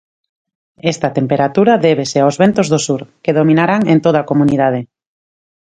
Esta temperatura débese aos ventos do sur, que dominarán en toda a comunidade.